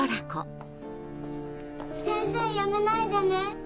先生やめないでね。